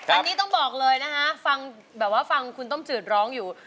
อันนี้ต้องบอกเลยนะฮะฟังคุณต้มจืดร้องอยู่